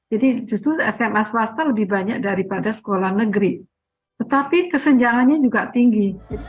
jadi justru sma swasta lebih banyak daripada sekolah negeri tetapi kesenjangannya juga tinggi